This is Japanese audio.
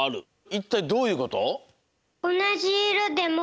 いったいどういうこと？